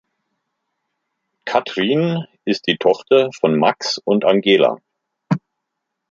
Kathrin ist die Tochter von Max und Angela.